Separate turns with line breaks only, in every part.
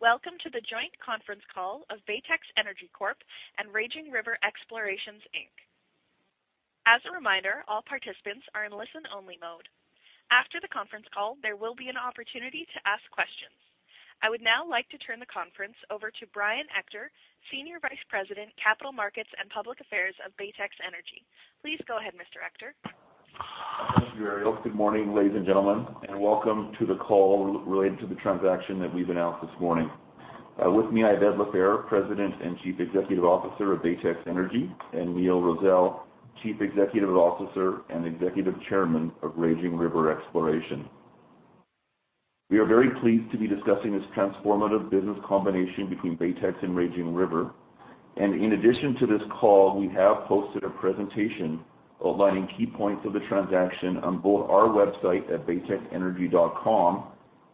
Welcome to the joint conference call of Baytex Energy Corp. and Raging River Exploration Inc. As a reminder, all participants are in listen-only mode. After the conference call, there will be an opportunity to ask questions. I would now like to turn the conference over to Brian Ector, Senior Vice President, Capital Markets and Public Affairs of Baytex Energy. Please go ahead, Mr. Ector.
Thank you, Ariel. Good morning, ladies and gentlemen, and welcome to the call related to the transaction that we've announced this morning. With me, I have Ed LaFehr, President and Chief Executive Officer of Baytex Energy, and Neil Roszell, Chief Executive Officer and Executive Chairman of Raging River Exploration. We are very pleased to be discussing this transformative business combination between Baytex and Raging River, and in addition to this call, we have posted a presentation outlining key points of the transaction on both our website at baytexenergy.com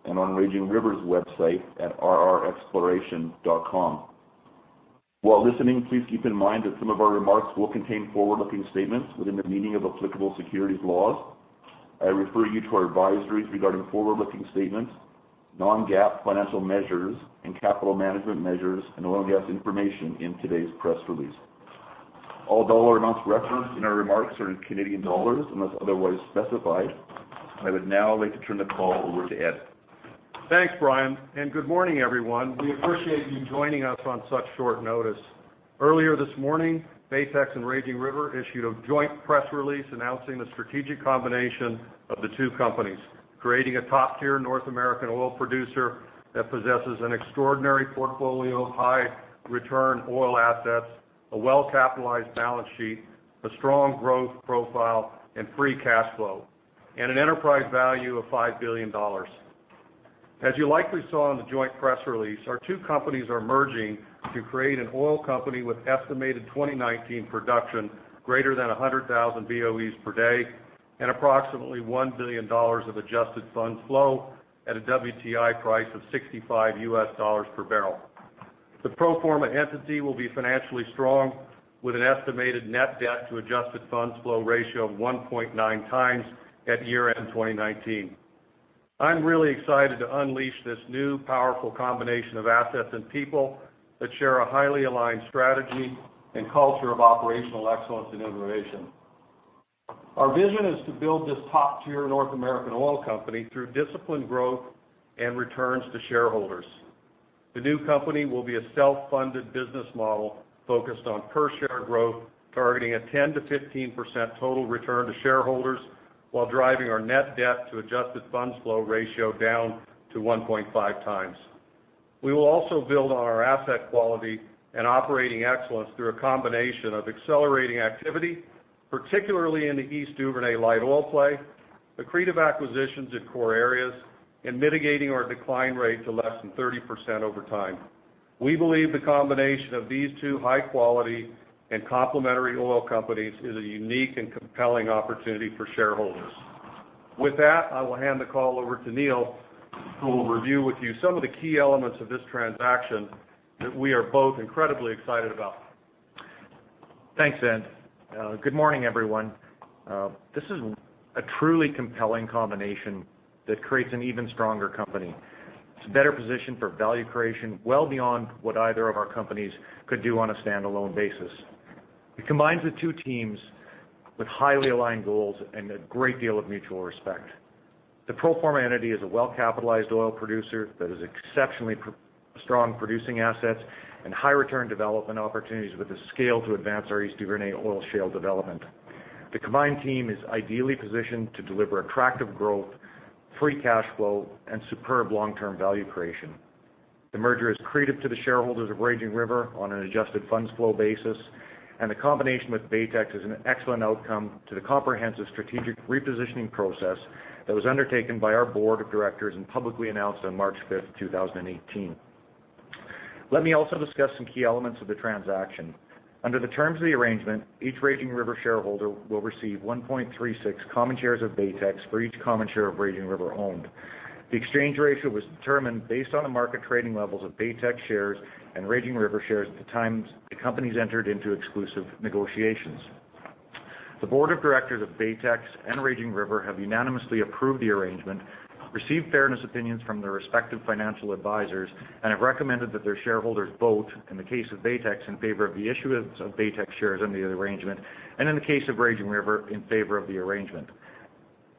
and on Raging River's website at rrexploration.com. While listening, please keep in mind that some of our remarks will contain forward-looking statements within the meaning of applicable securities laws. I refer you to our advisories regarding forward-looking statements, non-GAAP financial measures, and capital management measures, and oil and gas information in today's press release. All dollar amounts referenced in our remarks are in Canadian dollars unless otherwise specified. I would now like to turn the call over to Ed.
Thanks, Brian, and good morning, everyone. We appreciate you joining us on such short notice. Earlier this morning, Baytex and Raging River issued a joint press release announcing the strategic combination of the two companies, creating a top-tier North American oil producer that possesses an extraordinary portfolio of high-return oil assets, a well-capitalized balance sheet, a strong growth profile and free cash flow, and an enterprise value of $5 billion. As you likely saw in the joint press release, our two companies are merging to create an oil company with estimated 2019 production greater than 100,000 BOEs per day and approximately $1 billion of adjusted funds flow at a WTI price of $65 per barrel. The pro forma entity will be financially strong, with an estimated net debt to adjusted funds flow ratio of 1.9 times at year-end 2019.
I'm really excited to unleash this new, powerful combination of assets and people that share a highly aligned strategy and culture of operational excellence and innovation. Our vision is to build this top-tier North American oil company through disciplined growth and returns to shareholders. The new company will be a self-funded business model focused on per-share growth, targeting a 10%-15% total return to shareholders while driving our net debt to adjusted funds flow ratio down to 1.5 times. We will also build on our asset quality and operating excellence through a combination of accelerating activity, particularly in the East Duvernay light oil play, accretive acquisitions in core areas, and mitigating our decline rate to less than 30% over time. We believe the combination of these two high-quality and complementary oil companies is a unique and compelling opportunity for shareholders. With that, I will hand the call over to Neil, who will review with you some of the key elements of this transaction that we are both incredibly excited about.
Thanks, Ed. Good morning, everyone. This is a truly compelling combination that creates an even stronger company. It's better positioned for value creation, well beyond what either of our companies could do on a standalone basis. It combines the two teams with highly aligned goals and a great deal of mutual respect. The pro forma entity is a well-capitalized oil producer that has exceptionally strong producing assets and high-return development opportunities with the scale to advance our East Duvernay oil shale development. The combined team is ideally positioned to deliver attractive growth, free cash flow, and superb long-term value creation. The merger is accretive to the shareholders of Raging River on an adjusted funds flow basis, and the combination with Baytex is an excellent outcome to the comprehensive strategic repositioning process that was undertaken by our board of directors and publicly announced on March 5, 2018.
Let me also discuss some key elements of the transaction. Under the terms of the arrangement, each Raging River shareholder will receive 1.36 common shares of Baytex for each common share of Raging River owned. The exchange ratio was determined based on the market trading levels of Baytex shares and Raging River shares at the times the companies entered into exclusive negotiations. The board of directors of Baytex and Raging River have unanimously approved the arrangement, received fairness opinions from their respective financial advisors, and have recommended that their shareholders vote, in the case of Baytex, in favor of the issuance of Baytex shares under the arrangement, and in the case of Raging River, in favor of the arrangement.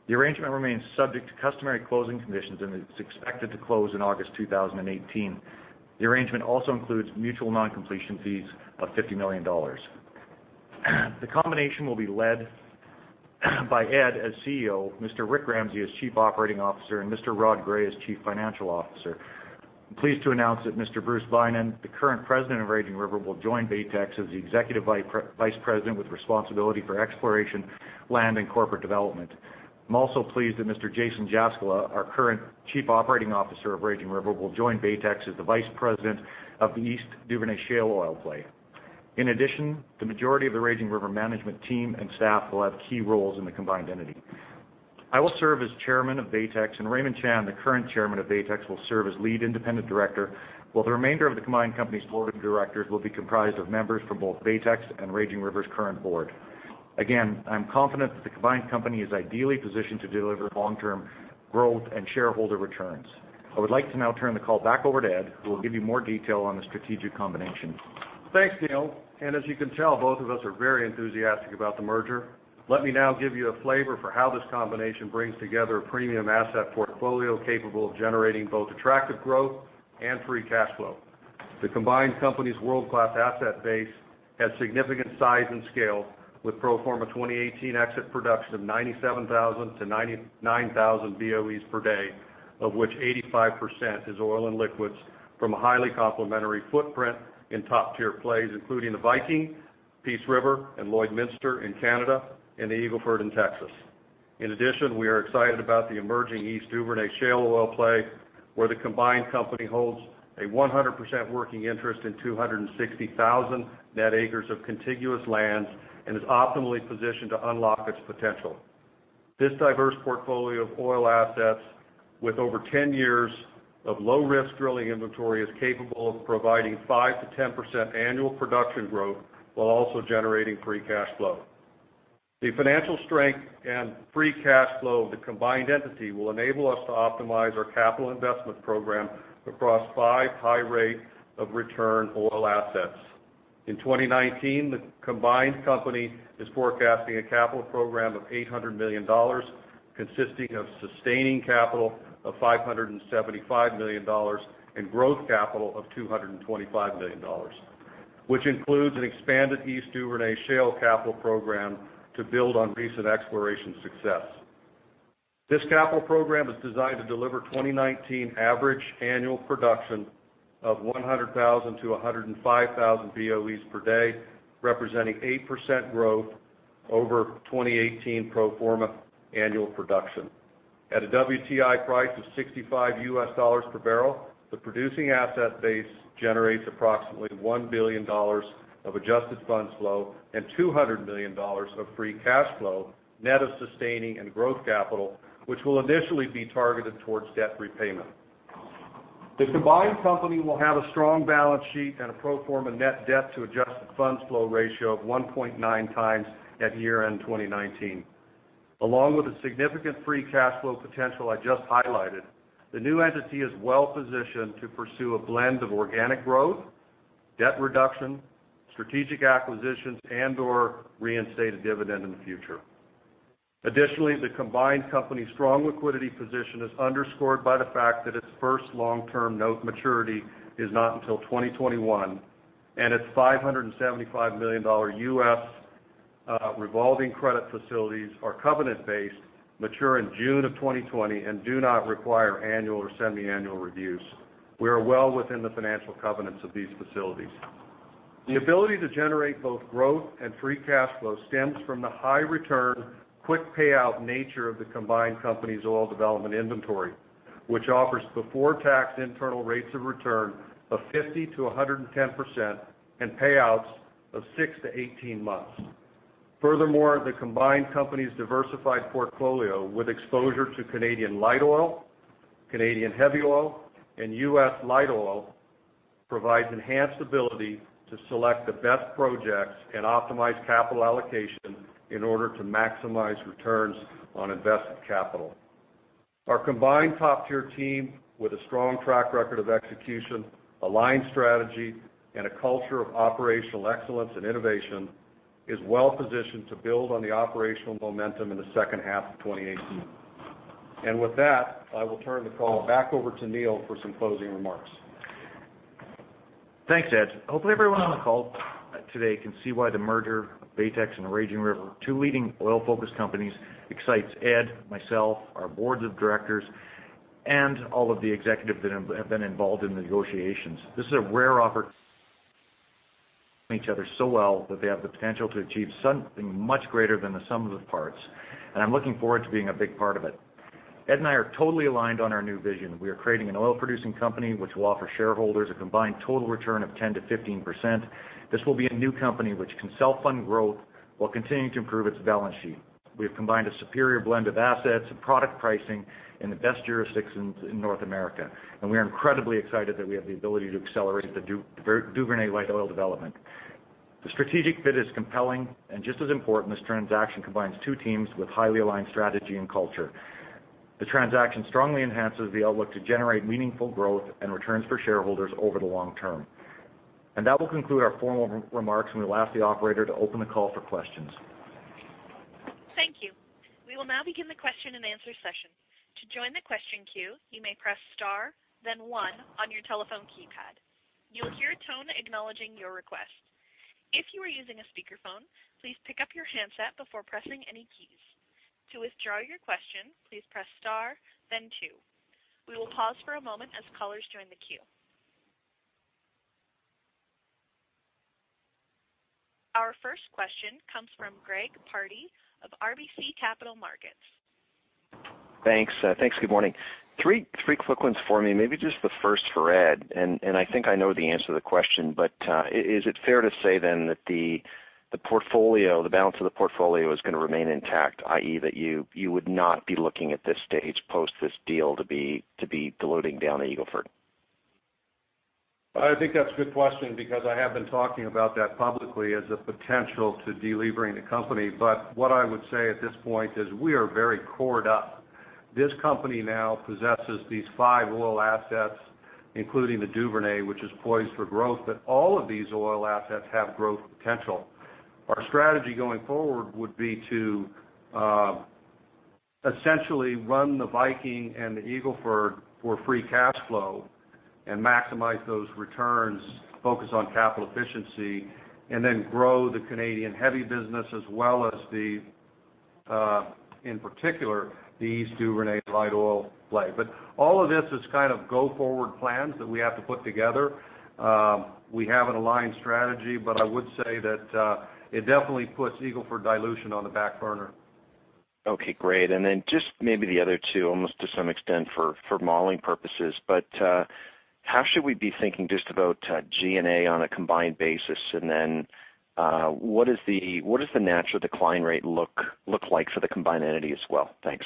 The arrangement remains subject to customary closing conditions, and it's expected to close in August 2018. The arrangement also includes mutual non-completion fees of 50 million dollars. The combination will be led by Ed as CEO, Mr. Rick Ramsay as Chief Operating Officer, and Mr. Rod Gray as Chief Financial Officer. I'm pleased to announce that Mr. Bruce Beynon, the current president of Raging River, will join Baytex as the Executive Vice President with responsibility for exploration, land, and corporate development. I'm also pleased that Mr. Jason Jaskula, our current Chief Operating Officer of Raging River, will join Baytex as the Vice President of the East Duvernay Shale Oil Play. In addition, the majority of the Raging River management team and staff will have key roles in the combined entity. I will serve as Chairman of Baytex, and Raymond Chan, the current chairman of Baytex, will serve as Lead Independent Director, while the remainder of the combined company's Board of Directors will be comprised of members from both Baytex and Raging River's current board. Again, I'm confident that the combined company is ideally positioned to deliver long-term growth and shareholder returns. I would like to now turn the call back over to Ed, who will give you more detail on the strategic combination.
Thanks, Neil, and as you can tell, both of us are very enthusiastic about the merger. Let me now give you a flavor for how this combination brings together a premium asset portfolio capable of generating both attractive growth and free cash flow. The combined company's world-class asset base has significant size and scale, with pro forma 2018 exit production of 97,000-99,000 BOEs per day, of which 85% is oil and liquids from a highly complementary footprint in top-tier plays, including the Viking, Peace River, and Lloydminster in Canada and the Eagle Ford in Texas. In addition, we are excited about the emerging East Duvernay shale oil play, where the combined company holds a 100% working interest in 260,000 net acres of contiguous lands and is optimally positioned to unlock its potential.
This diverse portfolio of oil assets, with over 10 years of low-risk drilling inventory, is capable of providing 5-10% annual production growth while also generating free cash flow. The financial strength and free cash flow of the combined entity will enable us to optimize our capital investment program across five high rate of return oil assets. In 2019, the combined company is forecasting a capital program of 800 million dollars, consisting of sustaining capital of 575 million dollars and growth capital of 225 million dollars, which includes an expanded East Duvernay shale capital program to build on recent exploration success. This capital program is designed to deliver 2019 average annual production of 100,000-105,000 BOEs per day, representing 8% growth over 2018 pro forma annual production. At a WTI price of $65 per barrel, the producing asset base generates approximately $1 billion of adjusted funds flow and $200 million of free cash flow, net of sustaining and growth capital, which will initially be targeted towards debt repayment. The combined company will have a strong balance sheet and a pro forma net debt to adjusted funds flow ratio of 1.9 times at year-end 2019. Along with the significant free cash flow potential I just highlighted, the new entity is well-positioned to pursue a blend of organic growth, debt reduction, strategic acquisitions, and/or reinstate a dividend in the future. Additionally, the combined company's strong liquidity position is underscored by the fact that its first long-term note maturity is not until 2021, and its $575 million revolving credit facilities are covenant-based, mature in June of 2020, and do not require annual or semiannual reviews. We are well within the financial covenants of these facilities. The ability to generate both growth and free cash flow stems from the high return, quick payout nature of the combined company's oil development inventory, which offers before-tax internal rates of return of 50%-110% and payouts of 6-18 months. Furthermore, the combined company's diversified portfolio with exposure to Canadian light oil, Canadian heavy oil, and U.S. light oil provides enhanced ability to select the best projects and optimize capital allocation in order to maximize returns on invested capital. Our combined top-tier team, with a strong track record of execution, aligned strategy, and a culture of operational excellence and innovation, is well-positioned to build on the operational momentum in the second half of 2018, and with that, I will turn the call back over to Neil for some closing remarks.
Thanks, Ed. Hopefully, everyone on the call today can see why the merger of Baytex and Raging River, two leading oil-focused companies, excites Ed, myself, our boards of directors, and all of the executives that have been involved in the negotiations. This is a rare opportunity where we know each other so well that they have the potential to achieve something much greater than the sum of the parts, and I'm looking forward to being a big part of it. Ed and I are totally aligned on our new vision. We are creating an oil-producing company, which will offer shareholders a combined total return of 10%-15%. This will be a new company which can self-fund growth while continuing to improve its balance sheet.
We have combined a superior blend of assets and product pricing in the best jurisdictions in North America, and we are incredibly excited that we have the ability to accelerate the Duvernay light oil development. The strategic fit is compelling, and just as important, this transaction combines two teams with highly aligned strategy and culture. The transaction strongly enhances the outlook to generate meaningful growth and returns for shareholders over the long term. That will conclude our formal remarks, and we'll ask the operator to open the call for questions.
Thank you. We will now begin the question-and-answer session. To join the question queue, you may press star, then one on your telephone keypad. You will hear a tone acknowledging your request. If you are using a speakerphone, please pick up your handset before pressing any keys. To withdraw your question, please press star then two. We will pause for a moment as callers join the queue. Our first question comes from Greg Pardy of RBC Capital Markets.
Thanks. Thanks. Good morning. Three quick ones for me, maybe just the first for Ed, and I think I know the answer to the question, but is it fair to say then that the portfolio, the balance of the portfolio is gonna remain intact, i.e., that you would not be looking at this stage, post this deal, to be loading down the Eagle Ford?...
I think that's a good question, because I have been talking about that publicly as a potential to deleveraging the company. But what I would say at this point is we are very cored up. This company now possesses these five oil assets, including the Duvernay, which is poised for growth, but all of these oil assets have growth potential. Our strategy going forward would be to essentially run the Viking and the Eagle Ford for free cash flow and maximize those returns, focus on capital efficiency, and then grow the Canadian heavy business as well as the, in particular, the East Duvernay light oil play. But all of this is kind of go forward plans that we have to put together. We have an aligned strategy, but I would say that it definitely puts Eagle Ford dilution on the back burner.
Okay, great. And then just maybe the other two, almost to some extent, for modeling purposes. But, how should we be thinking just about, G&A on a combined basis? And then, what is the-- what does the natural decline rate look like for the combined entity as well? Thanks.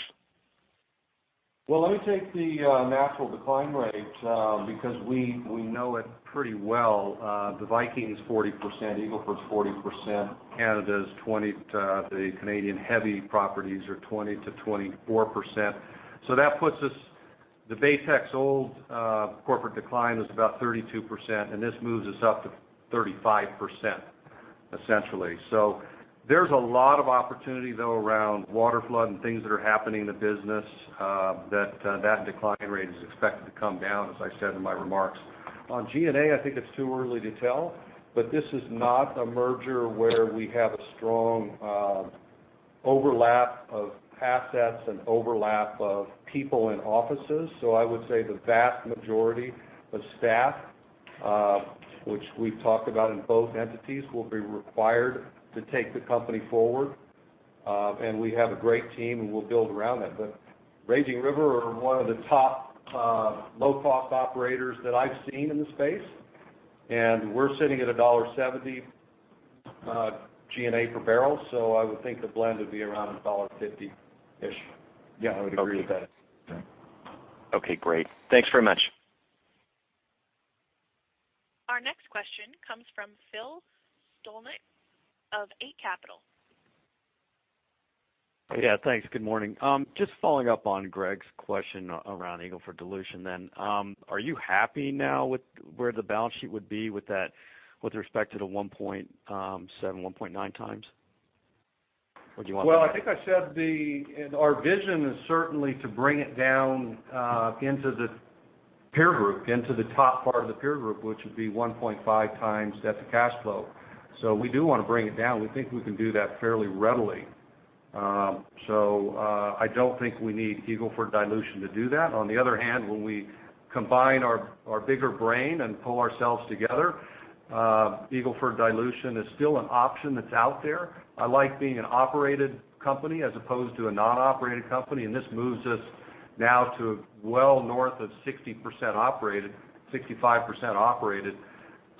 Let me take the natural decline rate because we know it pretty well. The Viking is 40%, Eagle Ford is 40%, Canada is 20%, the Canadian heavy properties are 20%-24%. So that puts us, the old Baytex corporate decline is about 32%, and this moves us up to 35%, essentially. So there's a lot of opportunity, though, around waterflood and things that are happening in the business, that decline rate is expected to come down, as I said in my remarks. On G&A, I think it's too early to tell, but this is not a merger where we have a strong overlap of assets and overlap of people in offices.
I would say the vast majority of staff, which we've talked about in both entities, will be required to take the company forward. And we have a great team, and we'll build around that. But Raging River are one of the top, low-cost operators that I've seen in the space, and we're sitting at dollar 1.70 G&A per barrel, so I would think the blend would be around dollar 1.50-ish. Yeah, I would agree with that.
Okay, great. Thanks very much.
Our next question comes from Phil Skolnick of Eight Capital.
Yeah, thanks. Good morning. Just following up on Greg's question around Eagle Ford dilution then. Are you happy now with where the balance sheet would be with that, with respect to the 1.7, 1.9 times? Or do you want-
I think I said. Our vision is certainly to bring it down into the peer group, into the top part of the peer group, which would be 1.5 times debt to cash flow. So we do want to bring it down. We think we can do that fairly readily. So, I don't think we need Eagle Ford dilution to do that. On the other hand, when we combine our bigger brain and pull ourselves together, Eagle Ford dilution is still an option that's out there. I like being an operated company as opposed to a non-operated company, and this moves us now to well north of 60% operated, 65% operated.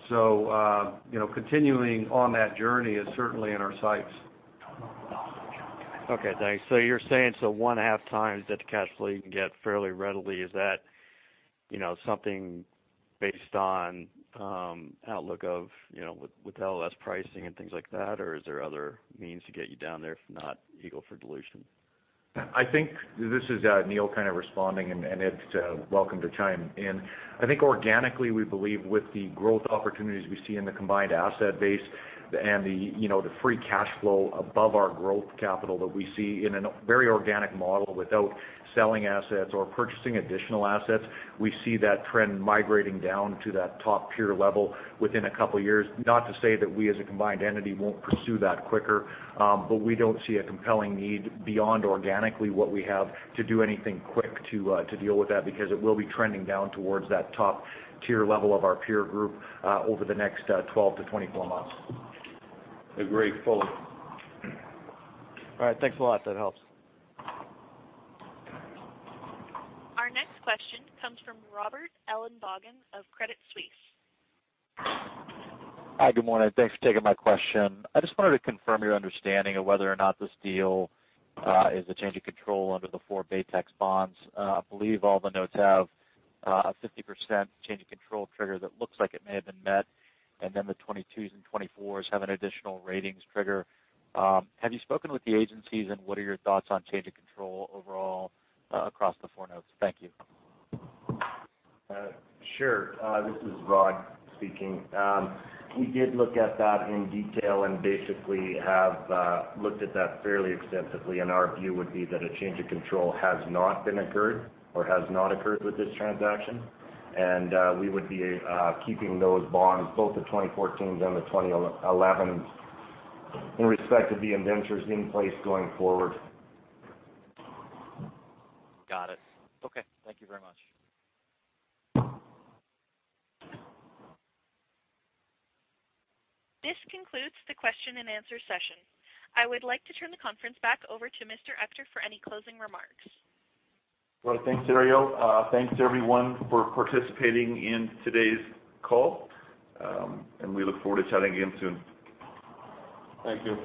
So, you know, continuing on that journey is certainly in our sights.
Okay, thanks. So you're saying 1.5 times debt to cash flow you can get fairly readily, is that, you know, something based on outlook of, you know, with LLS pricing and things like that? Or is there other means to get you down there, if not Eagle Ford dilution?
I think this is Neil, kind of responding, and Ed, to welcome to chime in. I think organically, we believe with the growth opportunities we see in the combined asset base and the, you know, the free cash flow above our growth capital that we see in a very organic model without selling assets or purchasing additional assets, we see that trend migrating down to that top peer level within a couple of years. Not to say that we, as a combined entity, won't pursue that quicker, but we don't see a compelling need beyond organically what we have to do anything quick to, to deal with that, because it will be trending down towards that top tier level of our peer group, over the next, 12 to 24 months.
Agree fully.
All right. Thanks a lot. That helps.
Our next question comes from Robert Ellenbogen of Credit Suisse.
Hi, good morning. Thanks for taking my question. I just wanted to confirm your understanding of whether or not this deal is a change of control under the four Baytex bonds. I believe all the notes have a 50% change in control trigger that looks like it may have been met, and then the 2022s and 2024s have an additional ratings trigger. Have you spoken with the agencies, and what are your thoughts on change of control overall, across the four notes? Thank you.
Sure. This is Rod speaking. We did look at that in detail and basically have looked at that fairly extensively, and our view would be that a change of control has not been occurred or has not occurred with this transaction. And we would be keeping those bonds, both the 2014s and the 2011s, in respect to the indentures in place going forward.
Got it. Okay, thank you very much.
This concludes the question and answer session. I would like to turn the conference back over to Mr. Ector for any closing remarks.
Thanks, Ariel. Thanks, everyone, for participating in today's call, and we look forward to chatting again soon.
Thank you.